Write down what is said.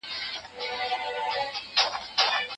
د نکاح اساسي اهداف څنګه پېژندل کېږي؟